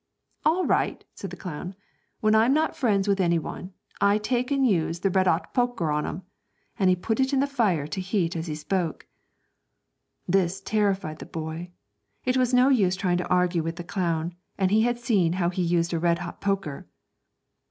'All right,' said the clown; 'when I'm not friends with any one, I take and use the red 'ot poker to 'em,' and he put it in the fire to heat as he spoke. This terrified the boy. It was no use trying to argue with the clown, and he had seen how he used a red hot poker.